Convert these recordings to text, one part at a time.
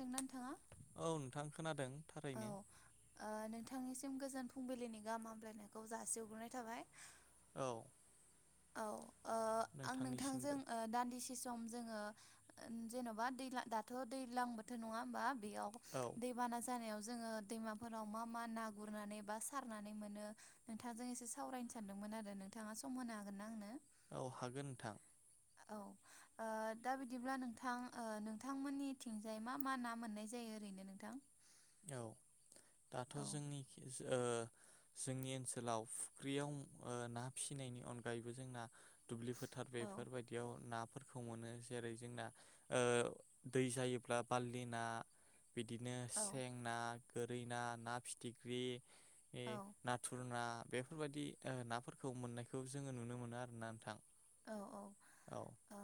दोंना ओनथाङा औ नोंथां खोनादों थारैनो ओ नोंथांनिसिम गोजोन फुंबिलिनि गाहाम हामलायनायखौ जासि हरग्रोनाय थाबाय औ औ ओ आं नोंथांजों नोंथांनिसिमबो ओ दान्दिसे सम जोङो ओ जेन'बा दैलां दाथ' दैलां बोथोर नङा होमबा? बेयाव औ दैबाना जानायाव जोङो दैमाफोराव मा मा ना गुरनानै बा सारनानै मोनो नोंथांजों एसे सावरायनो सानदोंमोन आरो नोंथाङा सम हा गोनना आंनो औ हागोन नोंथां औ ओ दा बिदिब्ला नोंथां ओ नोंथांमोननिथिंजाय मा मा ना मोननाय जायो ओरैनो नोंथां? औ दाथ' औ जोंनि ओ जोंनि ओनसोलाव फुख्रियाव ओ ना फिसिनायनि अनगायैबो जोंना दुब्लि फोथार औ बेफोरबायदियाव ना फोरखौ मोनो जेरै जोंना ओ दै जायोब्ला बाल्लि ना बिदिनो औ ना गोरै ना ना फिथिख्रि बे नाथुर ना बेफोरबायदि ओ नाफोरखौ मोननायखौ जोङो नुनो मोनो आरोना नोंथां। औ औ औ औ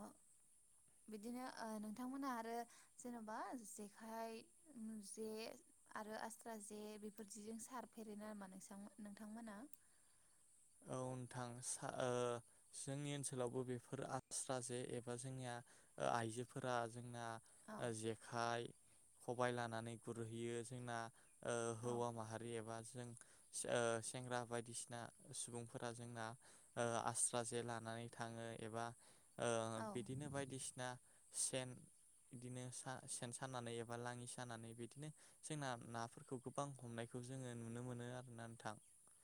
बिदिनो ओ नोंथांमोना आरो जेन'बा जेखाइ उम जे आरो आस्रा जे बेफोर जेजों सारफेरो नामा नों नोंथांमोना? औ नोंथां सा ओ जोंनि ओनसोलावबो बेफोर आस्रा जे एबा जोंनिया ओ आइजोफोरा जोंना औ ओ जेखाइ खबाय लानानै गुरहैयो जोंना ओ औ हौवा माहारि एबा जों ओ सेंग्रा बायदिसिना सुबुंफोरा जोंना ओ आस्रा जे लानानै थाङो एबा ओ औ बिदिनो बायदिसिना सेन बिदिनो सा सेन सानानै एबा लाङि सानानै बिदिनो जोंना नाफोरखौ गोबां हमनायखौ जोङो नुनो मोनो आरोना नोंथां।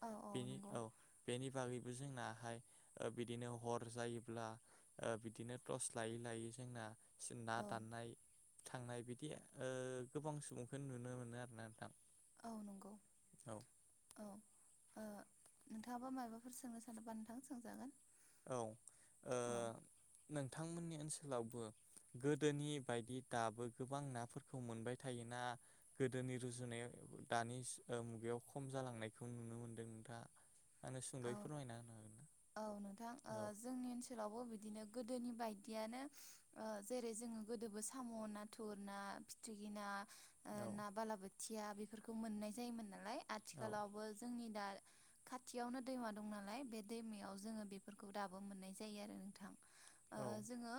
औ बेनि नंगौ औ बिनि बागैबो जोंनाहाय ओ बिदिनो हर जायोब्ला ओ बिदिनो टर्स लायै लायै जोंना [unintelligible] ना औ दाननाय थांनाय बिदि ओ गोबां सुबुंखौ नुनो मोनो आरोना नोंथां। औ नंगौ औ। औ ओ नोंथाङाबो मायाबाफोर सोंनो सानोबा नोंथां सोंजागोन? औ ओ औ नोंथांमोननि ओनसोल ओनसोलावबो गोदोनि बायदि दाबो गोबां नाफोरखौ मोनबाय थायोना गोदोनि रुजुनायाव दानि मुगायाव खम जालांनायखौ नुनो मोनदों दा? आंनो सुंद'यै औ फोरमायना होगोन। औ नोंथां ओ जोंनि ओनसोलाव बिदिनो गोदोनि बायदियानो ओ जेरै जोङो गोदोबो साम', नाथुर ना, फिथिखि ना औ ना बाला बो बोथिया बेफोरखौ मोननाय जायोमोन नालाय। औ आथिखालावबो जोंनि दा खाथियावनो दैमा दं नालाय बे दैमायाव जोङो बेफोरखौ दाबो मोननाय जायो आरो नोंथां। ओं औ जोङो।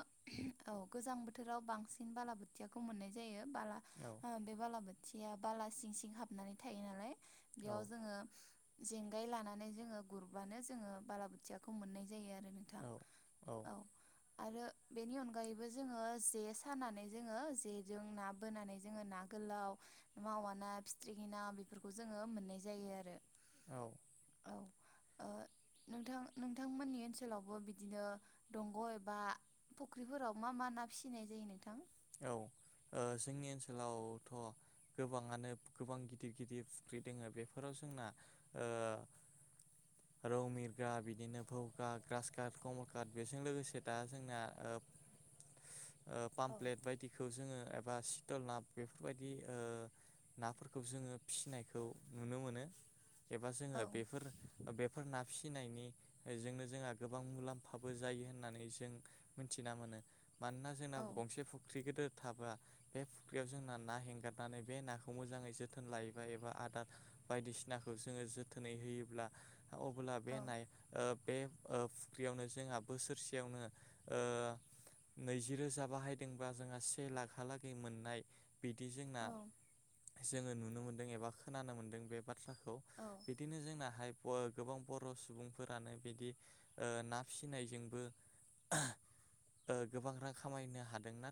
औ गोजां बोथोराव बांसिन बाला बोथियाखौ मोननाय जायो। बाला औ बे बाला बो बोथिया बाला सिं सिं हाबनानै थायो नालाय। बेयाव औ जोङो जेंगाय लानानै जोङो। ग्रुरबानो जोङो बाला बोथियाखौ मोननाय जायो आरो नोंथां औ औ। आरो बेनि अनगायैबो जोङो जे सानानै जोङो जेजों ना बोनानै जोङो ना गोलाव मावा ना फिथ्रिखि ना बेफोरखौ जोङो मोननाय जायो आरो। औ। औ नोंथां नोंथांमोननि ओनसोलावबो बिदिनो दंग' एबा फुख्रिफोराव मा मा ना फिसिनाय जायो नोंथां? औ जोंनि ओनसोलावथ' गोबाङानो गोबां गिदिर गिदिर फुख्रि दङो बेफोराव जोंना ओ रौ, मिरग्रा बिदिनो भौगा, ग्रास काट, कमलकाट बेजों लोगोसे दा जोंना ओ पाम औ प्लेड बायदिखौ जोङो एबा सितल ना बेफोरबायदि नाफोरखौ जोङो फिसिनायखौ नुनो मोनो। एबा जोङो औ बेफोर बेफोर ना फिसि फिनायनि बेजोंनो जोंहा गोबां मुलाम्फाबो जायो होननानै जों मिथिना मोनो। मानोना जोंना औ फुख्रि गोदिर थाब्ला बे फुख्रियाव जोंना ना हेंगारनानै बे नाखौ मोजाङै जोथोन लायोबा एबा आदार बायदिसिनाखौ जोङो जोथोनै होयोब्ला अब्ला बे औ नाया ओं बे ओ फुख्रियावनो जोंहा बोसोरसेयावनो नैजि रोजा बाहायदोंबा जोंहा से लाखहालागै मोननाय बिदि जोंना जोङो नुनो मोनदों एबा खोनानो मोनदों बे बाथ्राखौ खौ औ बिदिनो जोंनाहाय गोबां बर' सुबुंफोरानो बिदि ओ ना फिसिनायजोंबो ओ गोबां रां खामायनो हादोंना।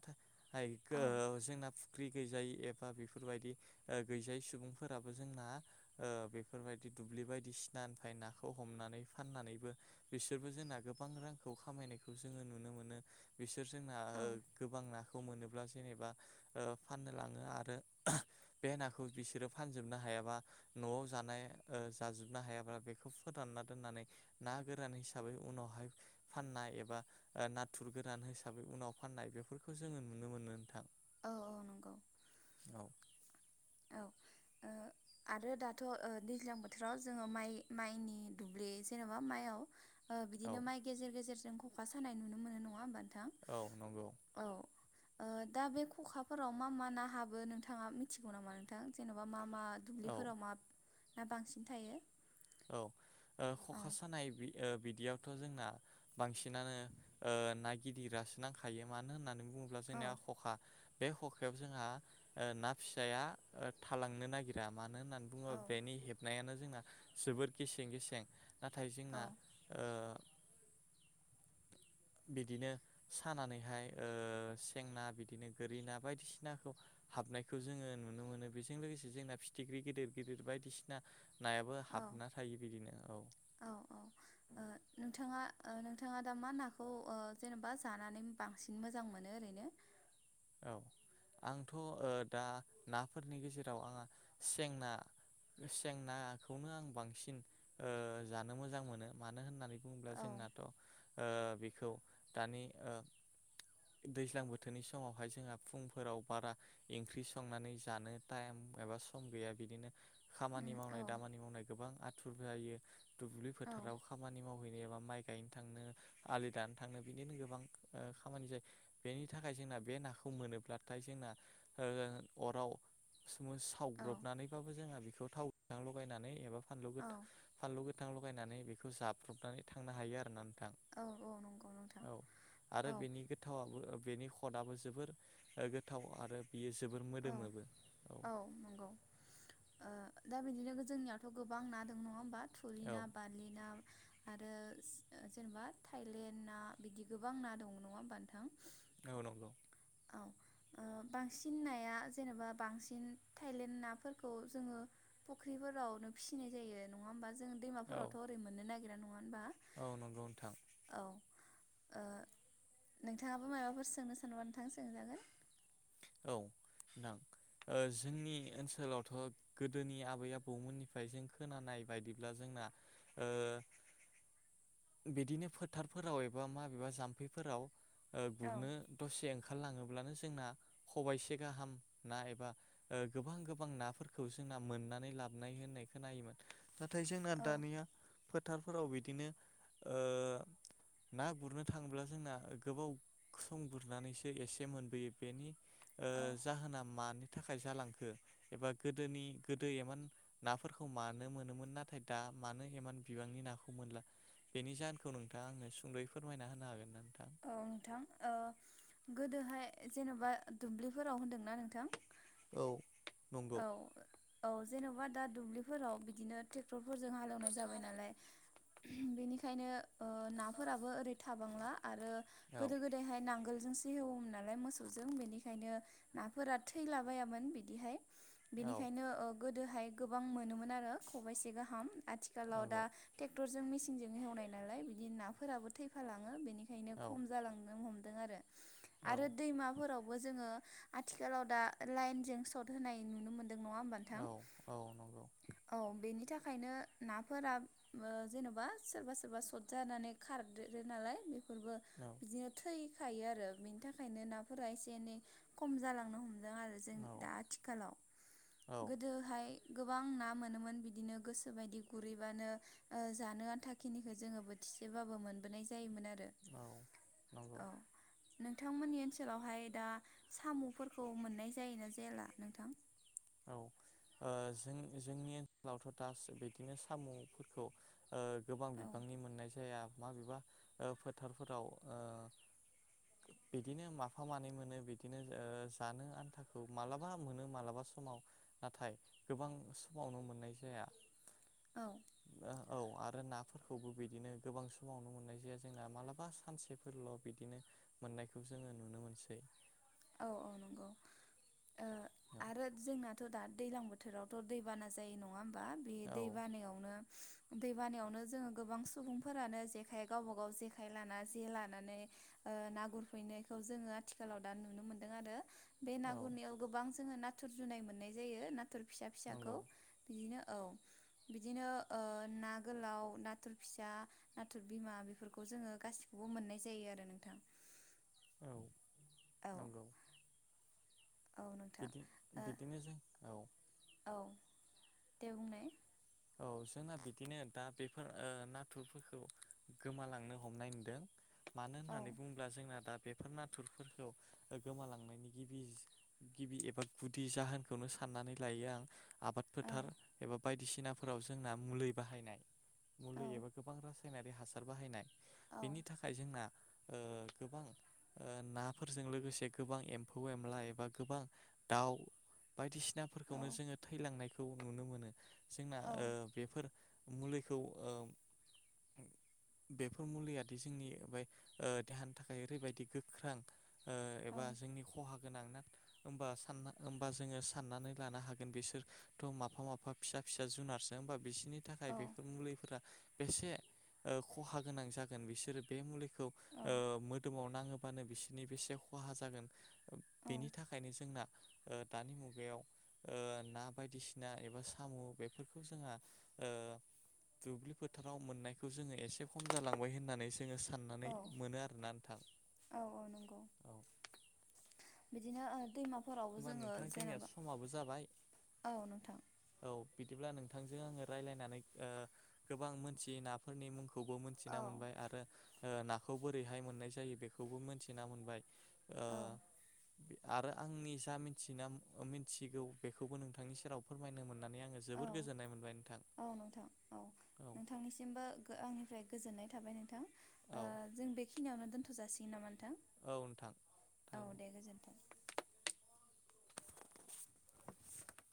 औ [unintelligible] जोंहा फुख्रि गैजायै एबा बेफोरबायदि ओ गैजायै सुबुंफोराबो जोंना ओ बेफोरबायदि दुब्लि बायदि सिनानिफ्राय नाखौ हमनानै फाननानैबो बिसोरबो जोंना गोबां रांखौ खामायनायखौ जोङो नुनो मोनो बिसोर सोर औ जोंना ओ नाखौ मोनोब्ला जेनेबा ओ फाननो लाङो आरो बे नाखौ बिसोरो फानजोबनो हायाबा न'आव जानाय ओ जाजुबनो हायाबा बेखौ फोरानना दोननानै ना गोरान हिसाबै उनावहाय फाननाय एबा ओ नाथुर गोरान हिसाबै उनाव फाननाय बे फोरखौ जोङो नुनो मोनो नोंथां। औ औ नंगौ। औ औ ओ आरो दाथ' ओ दैज्लां बोथोराव जोङो माइ माइनि दुब्लि जेनेबा माइयाव ओ औ बिदिनो माइ गेजेर गेजेर जों ख'खा सानाय नुनो मोनो नङा होमबा नों थां औ नंगौ औ। ओ दा बे ख'खाफोराव मा मा ना हाबो नोंथाङा मिथि गौ नामा नोंथां जेनेबा मा मा औ दुब्लिफोराव मा ना बांसिन थायो? औ ओ औ ख'खा सानाय बि ओ बिदियावथ' जोंना बांसिनानो ओ ना गिदिरआसो नांखायो मानो होननानै बुङोब्ला औ जोंनिया ख'खा बे ख'खायाव जोंहा ओ ना फिसाया ओ थालांनो नागिरा मानो होननानै बुङोबा औ बेनि हेबनायानो जोंना जोबोर गिसें गिसेें - नाथाय जोंना औ ओ [inaudible] बिदिनो सानानैहाय ओ सेंना बिदिनो गोरि ना बायदिसिनाखौ हाबनायखौ जोङो नुनो मोनो बेजों लोगोसे जोंना फिथिख्रि गिदिर गिदिर बायदिसिना नायाबो औ हाबना थायो बिदिनो औ। थाङा ओ नोंथाङा दा मा नाखौ ओ जेन'बा जानानै बांसिन मोजां मोनो ओरैनो? औ आंथ' ओ दा नाफोरनि गेजेराव आंहा सेंना सेंना खौनो आं बांसिन ओ जानो मोजां मोनो मानो होननानै बुंब्ला औ जोंनाथ' ओ बि खौ दानि ओ दैज्लां बोथोरनि सि समावहाय जोंहा फुंफोराव बारा एंख्रि संनानै जानो टाइम एबा सम गैया बिदिनो खामानि उम औ मावनाय दामानि मावनाय गोबां आथ थुर जायो। दुब्लि औ फोथाराव खामानि मावहैनो एबा माइ गायनो थांनो आलि दाननो थांनो बिदिनो गोबां ओ खामानि जायो बेनि थाखाय जोंना बे नाखौ मोनोब्लाथाय जोंना हो अराव स्मस सावब्रबनानैबाबो जोंहा बिखौ थाव गोथां लगायनानै एबा फानलु औ गोथा औ फानलु गोथां लग गायनानै बेखौ जाब्रबनानै थांनो हायो आरोना थां औ औ नंगौ नोंथां औ आरो औ बेनि गोथावाबो बेनि खदआबो जोबोर ओ गोथाव आरो बियो जोबोर औ मोदोमोबो औ। ओ दा बिदिनो जोंनियावथ' गोबां ना दं नङा होमबा? थुरि औ ना, बारलि ना आरो ओ जेनेबा थाइलेण्ड ना बिदि गोबां ना दं नङा होमबा नोंथां। औ नंगौ। औ ओ बांसिन नाया जेनेबा बांसिन थाइलेन्ड नाफोरखौ जोङो फुख्रिफोरावनो फिसिनाय जायो, नङा होमबा? जोंङो औ दैमाफोरावथ' ओैनो मोननो नागि [unintelligible] औ नंगौ नोंथां। ओ नोंथाङाबो माबाफोर सोंनो सानबा नोथां सोंजागोन। औ नों ओ जोंनि ओनसोलावथ' गोदोनि आबै-आबौमोननिफ्राय जों खोनानाय बायदिब्ला जोंना ओ बिदिनो फोथारफोराव एबा माबेबा जाम्फैफोराव ओ औ गुरनो दसे ओंखारलाङो ब्लानो जोंना खबाइसे गाहाम ना एबा ओ गोबां-गोबां नाफोरखौ जोंना मोननानै लाबनाय होननाय खोनायोमोन। नाथाय जोंना औ दानिया [inaudible] फोथारफोराव बिदिनो ओ ना गुरनो थाङोब्ला जोंना गोबाव सम गुरनानैसो एसे मोनबोयो। बेनि ओ औ जाहोना मानि थाखाय जालांखो एबा गोदोनि गोदो एबा एमान नाफोरखौ मानो मोनोमोन। नाथाय दा मानो एमान बिबांनि नाखौ मोनला बेनि जाहोनखौ नोंथाङा आंनो सुंद'यै फोरमायना होनो हागोनना? औ नोंथां ओ गो गोदोहाय जेन'बा दुब्लिफोराव होनदोंना नोंथां? औ नंगौ औ औ जेन'बा दा दुब्लिफोराव बिदिनोे टे टेक्टर फोरजों हालेवनाय जाबाय नालाय बेनिखायनो ओ नाफोराबो ओरै थाबांला आरो औ गोदो गोदायहाय नांगोल जोंसो हेवोमोन नालाय मोसौजों बेनिखायनो नाफोरा थैलाबायामोन बिदिहाय। औ बेनिखायनो ओ गोदोहाय गोबां मोनोमोन आरो ख'बाइसे गाहाम। आथिखालाव दा नंगौ टे टेक्टरजों मेसिनजों एवनाय नालाय बिदि नाफोराबो थैफालाङो बेनिखाय खायनो औ खम जालांनो हमो दों आरो। औ आरो दैमाफोराव बो जोङो आथिखालाव दा लाइनजों स्थ होनाय नुनो मोन दों नङा हनबा नोंथां। औ औ नंगौ औ बेनि नि थाखायनो नाफोरा अ जेन'बा सोरबा सोरबा सर्ट जानानै खारदेरो नालाय बे फोरबो औ बिदिनो थै खायो आरो बेनि थाखायनो नाफोरा एसे एनै खम जालांनो हम दों आरो जों औ दा थिखालाव औ गोदोहाय गोबां ना मोनोमोन बिदिनो गोसो बायदि गुरहैबानो अ जानो आन्थााखिनिखौ जोङो बोथिसेबाबो मोनबोनाय जायोमोन आरो औ नंगौ औ नोंथांमोननि ओनसोलावहाय दा साम'फोरखौ मोननाय जायोना जायाला नोंथां औ अ जों जोंनि ओनसोलावथ' दा बिदिनो साम'फोरखौ अं गोबां औ बिबांनि मोननाय जाया माबेबा फोथारफोराव बिदिनो माफा मानै मोनो बिदिनो अ जानो आन्थाखौ मालाबा मोनो मालाबा सम समाव नाथाय गोबां समावनो मोननाय जाया। औ औ आरो नाफोरखौबो बिदिनो गोबां समावनो मोननाय जाया जोंना मालाबा सानसेफोरल' बिदिनो मोननायखौ जोङो नुनो मोनसै औ औ नंगौ ओ औ आरो जोंना थ दा दैलां बोथोरावथ' दैबाना जायो नङा बा बे औ दै बानायावनो दैबानायावनो जोङो गोबां सुबुंफोरानो जेखाइ गावबा गाव जेखाय लाना जे लानानै ना अ गुरफैनायखौ जोङो आथिखालाव दा नु नुनो मोनदों आरो। बे ना औ गुरनायाव गोबां जोङो नाथुर जुनाय मोननाय जायो नाथ फथुर फिसा फिसाखौ नंगौ बिदिनो औ बिदिनो अ ना गोलाव नाथुर फिसा नाथुर बिमा बेफोरखौ जोङो गासिखौबो मोननाय जायो आरो नोंथां औ औ नंगौ। औ नोंथां बिदि ओ बिदिनो जों औ देवनाय औ जोंना बिदिनो दा बेफोर अ नाथुरफोरखौ गोमालांनो हमनाय नुदों मानो औ होननानै बुङोब्ला जोंना दा बेफोर नाथुरफोरखौ गोमालांनायनि गिबि गिबि एबा गुदि जाहोनखौनो साननानै लायो आं आबाद औ फोथार एबा बायदिसिना फोराव जोंना मुलि बाहायनाय औ मुलि एबा गोबां रासाय नारि हासार बाहायनाय बेनि थाखाय जोंना ओ गोबां नाफोरजों लोगोसे गोबां एम्फौ एनला एबा गोबां दाउ बायदिसि औ नाफोरखौनो जोङो थैलांनायखौ खौ नुनो मोनो जोंना औ ओ बेफोर मुलिखौ ओ बेफोर मुलियाादि जोंनि ओ बे देहानि थाखाय ओरैबायदि गोख्रों ओ औ एबा जोंनि खहा गोनां ना होमबा जोङो साननानै लानो हागोन बिसोरथ' मा माफा फिसा फिसा जुनारसो होमबा बिसनि थाखाय बेफोर मुलिफोरा बेसे ओ खहा गोनां जागोन बिसोरो बे मुलि खौ ओ मोदोमाव नाङो बानो बिसोरनि बेसे खहा जागोन बेनि थाखायनो जोंना ओ दानि मुगायाव ओ ना बायदिसिना एबा साम' बेफोरखौ जोंहा ओ दुब्लि फोथाराव मोननायखौ जोङो एसे खम जालांबाय होननानै जोङो औ साननानै मोनो आरोना नोंथां औ औ नंगौ। औ बिदिनो ओ दैमा होमबा नोंथां जोंनिया समाबो जाबाय औ नोंथां औ बि बिदिब्ला नोंथांजों आङो रायलायनानै ओ गोबां मोनथियो नाफोरनि मुं खौबो मोनथिना औ मोनबाय आरो ओ ना खौ बोरैहाय मोननाय जायो बेखौबो मिथिना मोनबाय ओ औ आरो आंनि जा मिथि मिथिगौ बेखौबो नोंथांनि सेराव फोरमायनो मोनो औ औ नोंथां औ नोंथांनिसिमबो आंनिफ्राय गोजोननाय थाबाय नोंथां औ ओ जों बेखिनियावनो दोन्थ' जासि निनामा औ नोंथां गोजोन्थों।